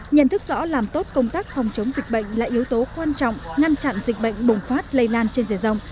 nhận thức rõ làm tốt công tác phòng chống dịch bệnh là yếu tố quan trọng ngăn chặn dịch bệnh bùng phát lây lan trên diện rộng